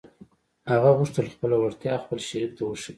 هغه غوښتل خپله وړتيا خپل شريک ته وښيي.